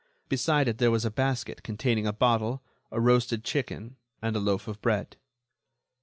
Beside it there was a basket containing a bottle, a roasted chicken, and a loaf of bread.